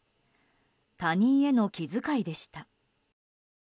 他人への気遣いでした。